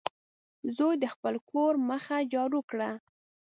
زوی د خپل کور مخه جارو کړه.